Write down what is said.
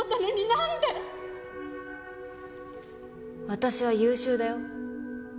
私は優秀だよ。